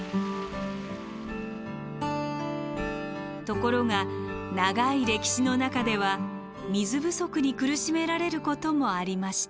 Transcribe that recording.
ところが長い歴史の中では水不足に苦しめられることもありました。